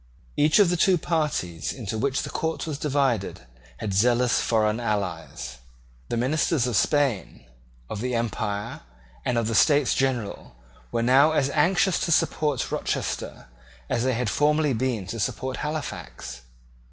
Each of the two parties into which the court was divided had zealous foreign allies. The ministers of Spain, of the Empire, and of the States General were now as anxious to support Rochester as they had formerly been to support Halifax.